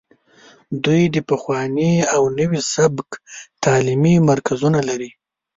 دوی د پخواني او نوي سبک تعلیمي مرکزونه لري